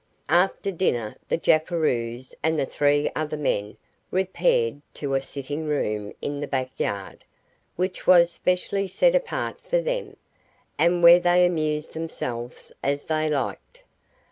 After dinner the jackeroos and the three other men repaired to a sitting room in the backyard, which was specially set apart for them, and where they amused themselves as they liked.